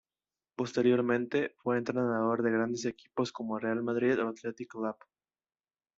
Posteriormente, fue entrenador de grandes equipos como Real Madrid o Athletic Club.